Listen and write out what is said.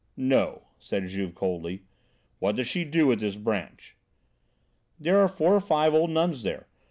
"No," said Juve, coldly. "What does she do at this branch?" "There are four or five old nuns there.